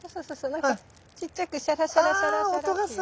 なんかちっちゃくシャラシャラシャラシャラっていう音が。